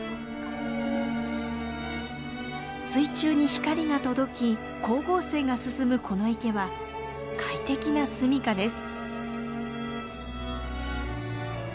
水中に光が届き光合成が進むこの池は快適なすみかです。